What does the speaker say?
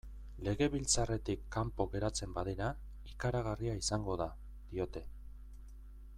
Legebiltzarretik kanpo geratzen badira, ikaragarria izango da, diote.